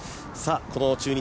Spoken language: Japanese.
この中日